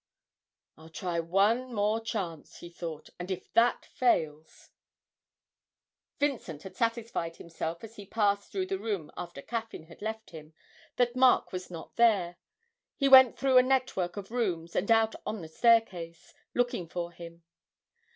'I'll try one more chance,' he thought, 'and if that fails ' Vincent had satisfied himself as he passed through the room after Caffyn had left him that Mark was not there. He went through a network of rooms, and out on the staircase, looking for him.